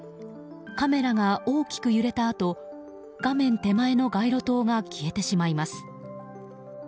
カメラが大きく揺れたあと画面手前の街路灯が消えてしまいます。